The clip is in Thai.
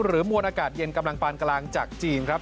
มวลอากาศเย็นกำลังปานกลางจากจีนครับ